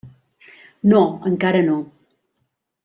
No, encara no.